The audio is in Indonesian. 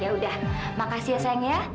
ya udah makasih ya sayang ya